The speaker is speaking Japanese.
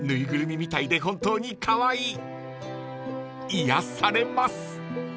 ［癒やされます］